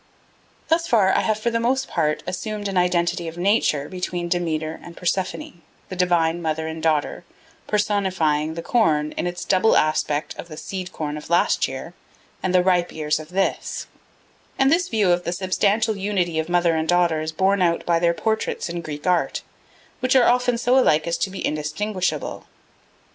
Thus far I have for the most part assumed an identity of nature between Demeter and Persephone, the divine mother and daughter personifying the corn in its double aspect of the seed corn of last year and the ripe ears of this, and this view of the substantial unity of mother and daughter is borne out by their portraits in Greek art, which are often so alike as to be indistinguishable.